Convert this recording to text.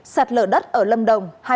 sạt lửa đất ở lâm đồng